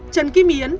trần kim yến